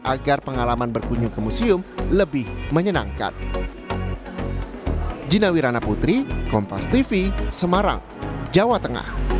agar pengalaman berkunjung ke museum lebih menyenangkan